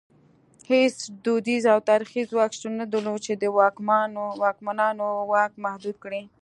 هېڅ دودیز او تاریخي ځواک شتون نه درلود چې د واکمنانو واک محدود کړي.